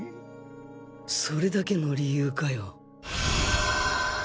それだけの理由かよ？